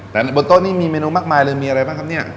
แต่บนโต๊ะนี้มีเมนูมากมายเลยมีอะไรบ้างครับเนี่ย